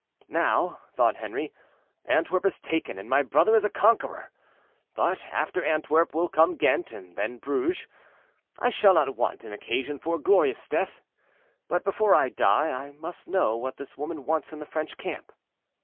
"Now," thought Henri, "Antwerp is taken, and my brother is a conqueror; but after Antwerp will come Ghent, and then Bruges; I shall not want an occasion for a glorious death. But before I die I must know what this woman wants in the French camp."